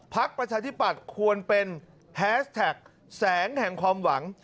พักประชาชนิดปรัศน์ควรเป็นแฮสแท็ก์แสงแห่งความหวัง